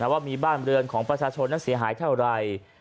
ว่ามีบ้านเรือนของประชาชนนั้นเสียหายเท่าไหร่